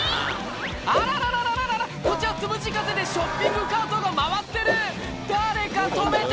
あらららこっちはつむじ風でショッピングカートが回ってる誰か止めて！